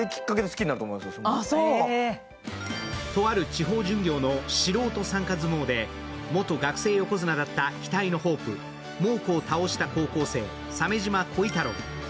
とある地方巡業の素人参加相撲で、元学生横綱だった期待のホープ、猛虎を倒した鮫島鯉太郎。